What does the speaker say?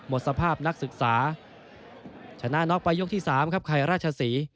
หมดสภาพนักศึกษาชนะน็อกไปยกที่๓ครับไข่ราชศรี